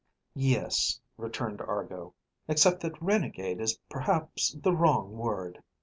"Yes," returned Argo, "except that renegade is perhaps the wrong word.